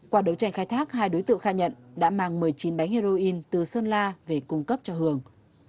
qua đấu tranh khai thác hai đối tượng khai nhận đã mang một mươi chín bánh heroin từ sơn la về cung cấp cho hường